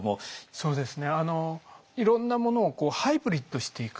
そうですね。